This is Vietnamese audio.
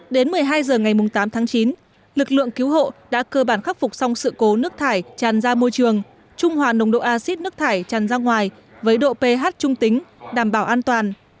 đến một mươi hai h ngày tám tháng chín lực lượng cứu hộ đã cơ bản khắc phục xong sự cố nước thải tràn ra môi trường trung hòa nồng độ acid nước thải tràn ra ngoài với độ ph trung tính đảm bảo an toàn